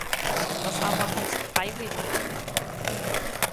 Was aber heißt freiwillig?